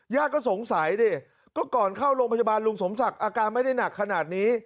ญาติก็สงสัยดิก็ก่อนเข้าโรงพยาบาลลุงสมศักดิ์อาการไม่ได้หนักขนาดนี้